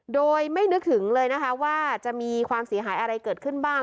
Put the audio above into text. โดยไม่นึกถึงเลยนะคะว่าจะมีความเสียหายอะไรเกิดขึ้นบ้าง